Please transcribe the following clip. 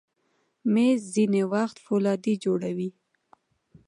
مېز ځینې وخت فولادي جوړ وي.